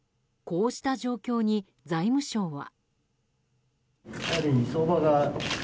こうした状況に財務省は。